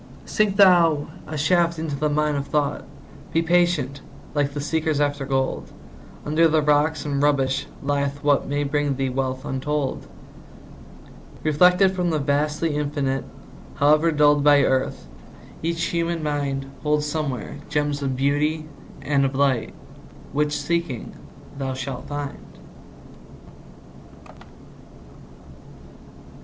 Sink thou a shaft into the mine of thought; Be patient, like the seekers after gold; Under the rocks and rubbish lieth what May bring thee wealth untold. Reflected from the vastly Infinite, However dulled by earth, each human mind Holds somewhere gems of beauty and of light Which, seeking, thou shalt find.